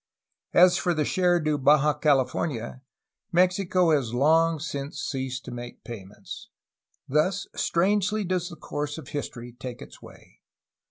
As for the share due Baja California, Mexico has long since ceased to make payments. Thus strangely does the course of history take its way.